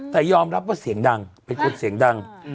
แต่ยอมรับว่าเสียงดังเป็นคนเสียงดัง